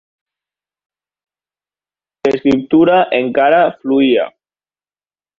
Però l'escriptura encara fluïa.